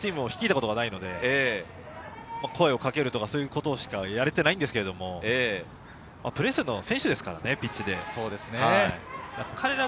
僕もチームを率いたことはないので、声をかけるとか、そういうことしかやれてないですけれど、プレーするのは選手ですからね、ピッチで。